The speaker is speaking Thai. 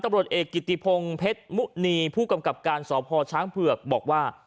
ตำรวจเอกกิติพงศ์เพชรมุณีผู้กำกับการสพช้างเผือกบอกว่า